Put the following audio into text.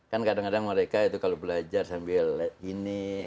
kan kadang kadang mereka itu kalau belajar sambil ini